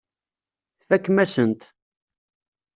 Tfakem-asen-t.